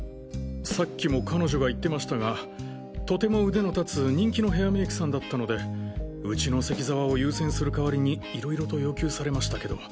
さっきも彼女が言ってましたがとても腕の立つ人気のヘアメイクさんだったのでウチの関澤を優先する代わりに色々と要求されましたけど。